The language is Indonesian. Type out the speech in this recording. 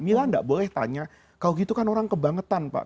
mila tidak boleh tanya kalau gitu kan orang kebangetan pak